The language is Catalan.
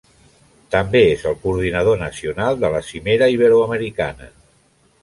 També és el Coordinador Nacional de la Cimera Iberoamericana.